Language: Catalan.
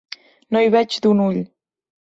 No hi veig d'un ull.